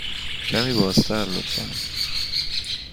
کمی بازتر، لطفاً.